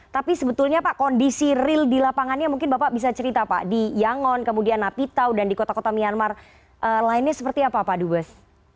tapi sebetulnya pak kondisi real di lapangannya mungkin bapak bisa cerita pak di yangon kemudian napitau dan di kota kota myanmar lainnya seperti apa pak dubes